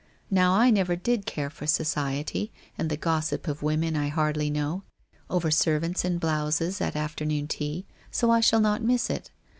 Now I never did care for society and the gossip of women I hardly know, over servants and blouses at afternoon tea, so I shall not miss it.